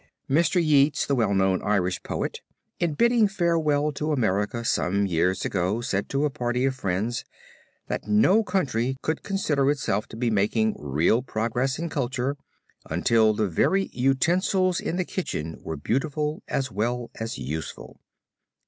Mr. Yeats, the well known Irish poet, in bidding farewell to America some years ago said to a party of friends, that no country could consider itself to be making real progress in culture until the very utensils in the kitchen were beautiful as well as useful.